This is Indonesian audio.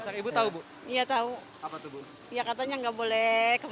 kalau ke pasar masih boleh ya bu